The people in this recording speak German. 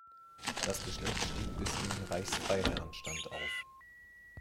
Das Geschlecht stieg bis in den Reichsfreiherrenstand auf.